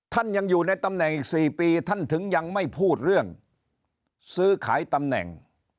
ท่านยังอยู่ในตำแหน่งอีก๔ปีท่านถึงยังไม่พูดเรื่องซื้อขายตำแหน่ง